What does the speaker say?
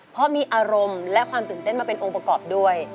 เพราะมีอารมณ์และความตื่นเต้นมาเป็นองค์ประกอบด้วย